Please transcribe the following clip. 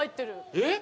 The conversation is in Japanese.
えっ？